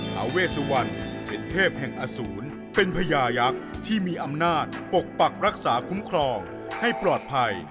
ท้าเวสวรรณเป็นเทพแห่งอสูรเป็นพญายักษ์ที่มีอำนาจปกปักรักษาคุ้มครองให้ปลอดภัย